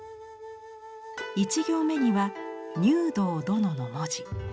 １行目には「入道殿」の文字。